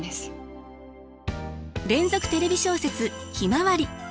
連続テレビ小説「ひまわり」。